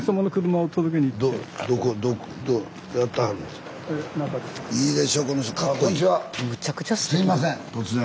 すいません突然。